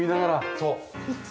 そう！